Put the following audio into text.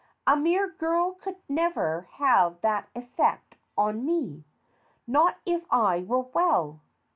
A mere girl could never have that effect on me : not if I were well.